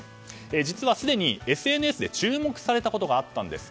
実はすでにＳＮＳで注目されたことがあったんです。